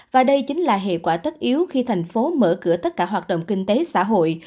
và đây chính là hệ quả tất yếu khi thành phố mở cửa tất cả hoạt động kinh tế xã hội